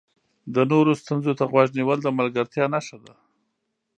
د نورو ستونزو ته غوږ نیول د ملګرتیا نښه ده.